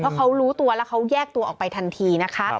เพราะเขารู้ตัวแล้วเขาแยกตัวออกไปทันทีนะคะ